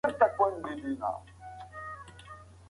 ځان وختي ور رسولی